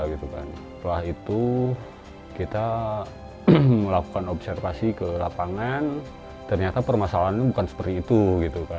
setelah itu kita melakukan observasi ke lapangan ternyata permasalahannya bukan seperti itu gitu kan